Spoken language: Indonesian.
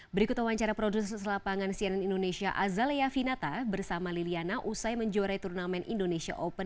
berikut wawancara produser selapangan cnn indonesia azalea finata bersama liliana usai menjuarai turnamen indonesia open dua ribu delapan belas